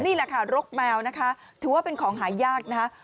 นี่แหละค่ะรกแมวนะคะถือว่าเป็นของหายากนะคะ